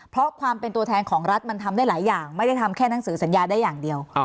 เพราะความเป็นตัวแทนของรัฐมันทำได้หลายอย่างไม่ได้ทำแค่หนังสือสัญญาได้อย่างเดียว